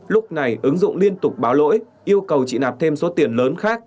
lúc này ứng dụng liên tục báo lỗi yêu cầu chị nạp thêm số tiền lớn khác